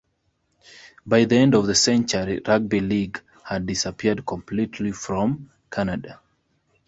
By the end of the century, rugby league had disappeared completely from Canada.